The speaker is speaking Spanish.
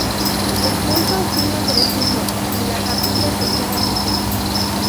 El culto sigue creciendo y la capilla se queda pequeña.